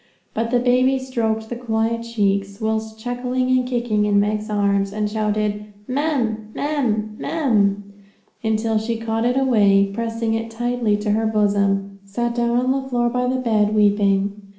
But the baby stroked the quiet cheeks, whilst chuckling and kicking in Meg's arms, and shouted, 'Mam! mam! mam!' until she caught it away, and pressing it tightly to her bosom, sat down on the floor by the bed, weeping.